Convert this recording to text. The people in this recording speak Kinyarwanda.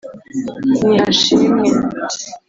Ni hashimwe